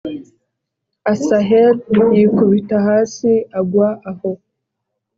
Asaheli yikubita hasi agwa aho.